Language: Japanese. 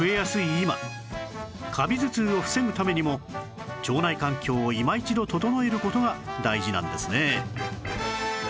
今カビ頭痛を防ぐためにも腸内環境をいま一度整える事が大事なんですね